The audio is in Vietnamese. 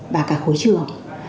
và cả khối trưởng